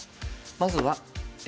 まずはＡ。